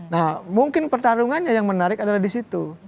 nah mungkin pertarungannya yang menarik adalah di situ